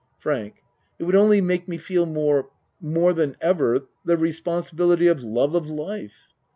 FRANK It would only make me feel more more than ever the responsibility of love of life.